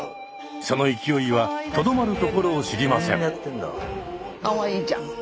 その勢いはとどまるところを知りません。